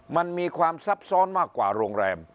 มันมีความซับซ้อนมากกว่าโรงแรม